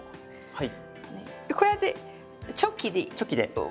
はい。